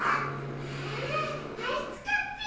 あああいつかっピィ。